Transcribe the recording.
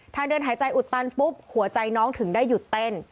เดินหายใจอุดตันปุ๊บหัวใจน้องถึงได้หยุดเต้น